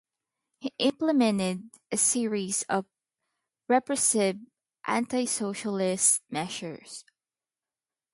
He implemented a series of repressive anti-socialist measures.